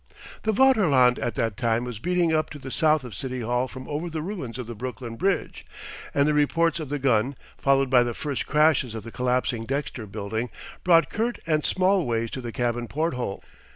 The Vaterland at that time was beating up to the south of City Hall from over the ruins of the Brooklyn Bridge, and the reports of the gun, followed by the first crashes of the collapsing Dexter building, brought Kurt and, Smallways to the cabin porthole.